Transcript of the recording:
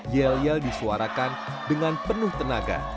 yel yel disuarakan dengan penuh tenaga